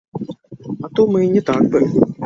А то мы не так бы.